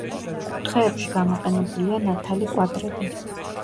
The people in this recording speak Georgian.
კუთხეებში გამოყენებულია ნათალი კვადრები.